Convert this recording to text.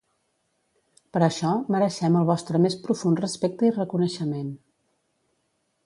Per això mereixem el vostre més profund respecte i reconeixement.